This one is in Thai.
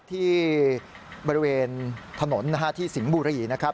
ที่บริเวณถนนที่สิงห์บุรีนะครับ